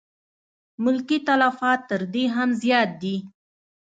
ملکي تلفات تر دې هم زیات دي.